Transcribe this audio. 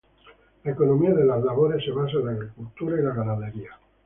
La economía de Las Labores se basa en la agricultura y la ganadería.